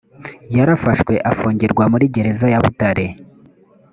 yarafashwe afungirwa muri gereza ya butare